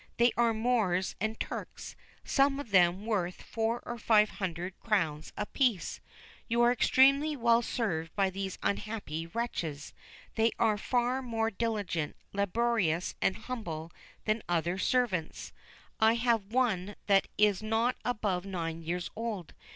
They are Moors and Turks, some of them worth four or five hundred crowns a piece.... You are extremely well served by these unhappy wretches, they are far more diligent, laborious, and humble than other servants.... I have one that is not above nine years old.